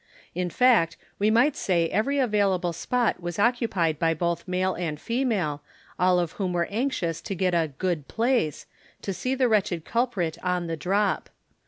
In fact, we might say every available spot was occupied by both male and female, all of whom were anxious to get a "good place," to see the wretched culprit on the drop.